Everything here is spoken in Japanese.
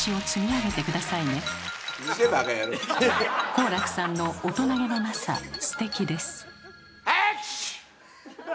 好楽さんの大人げのなさステキです。